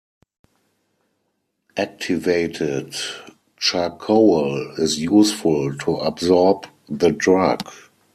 Activated charcoal is useful to absorb the drug.